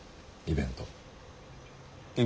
イベント？